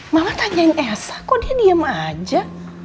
malah tanyain esa kok dia diem aja